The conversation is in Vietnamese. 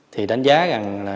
thì đánh giá rằng